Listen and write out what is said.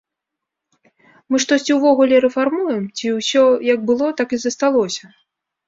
Мы штосьці ўвогуле рэфармуем, ці ўсё як было так і засталося?